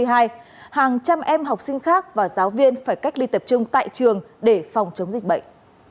hàng trăm em học sinh khác và giáo viên phải cách ly tập trung tại trường để phòng chống dịch bệnh